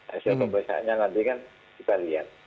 hasil pemeriksaannya nanti kan kita lihat